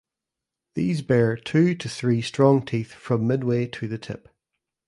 These bear two to three strong teeth from midway to the tip.